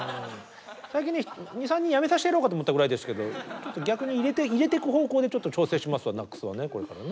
最近ね２３人辞めさせてやろうかと思ったぐらいですけど逆に入れてく方向でちょっと調整しますわＮＡＣＳはね